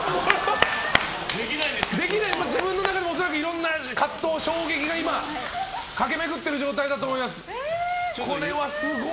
自分の中でもいろいろな葛藤衝撃が今、駆け巡っている状態だと思います。